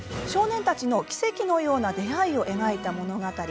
少年たちの奇跡のような出会いを描いた物語。